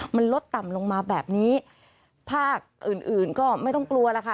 มันลดต่ำลงมาแบบนี้ภาคอื่นอื่นก็ไม่ต้องกลัวแล้วค่ะ